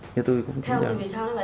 theo vì sao nó lại sai sót